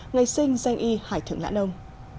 ngày sinh danh y hải thượng lãn ông